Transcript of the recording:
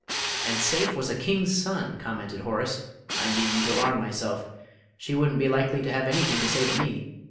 "And Seyf was a King's son!" commented Horace. "I needn't alarm myself. She wouldn't be likely to have anything to say to me.